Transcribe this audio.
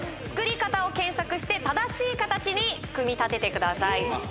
作り方を検索して正しい形に組み立ててください